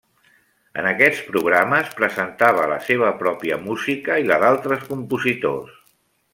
En aquests programes presentava la seva pròpia música i la d'altres compositors.